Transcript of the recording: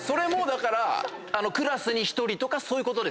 だからクラスに１人とかそういうことですか？